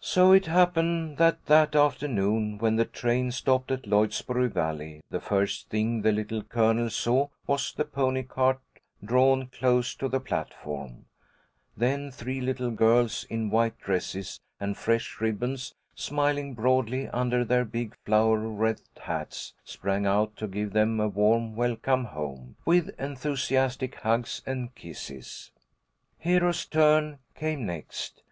So it happened that that afternoon, when the train stopped at Lloydsboro Valley, the first thing the Little Colonel saw was the pony cart drawn close to the platform. Then three little girls in white dresses and fresh ribbons, smiling broadly under their big flower wreathed hats, sprang out to give them a warm welcome home, with enthusiastic hugs and kisses. Hero's turn came next.